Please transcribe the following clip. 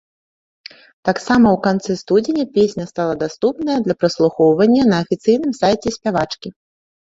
Таксама ў канцы студзеня песня стала даступная для праслухоўвання на афіцыйным сайце спявачкі.